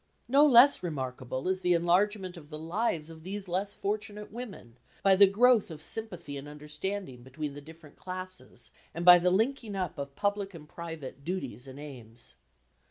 No less remarkable is the enlargement of the lives of these less fortunate women, by the growth of sympathy and understanding between the different classes and by the linking up of public and private duties and aims.